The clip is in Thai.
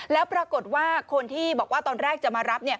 แล้วปรากฏว่าคนที่บอกว่าตอนแรกจะมารับเนี่ย